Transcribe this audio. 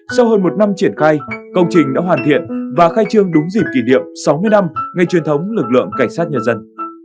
sau hơn một năm triển khai công trình đã hoàn thiện và khai trương đúng dịp kỷ niệm sáu mươi năm ngày truyền thống lực lượng cảnh sát nhân dân